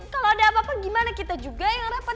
kalau ada apa apa gimana kita juga yang repot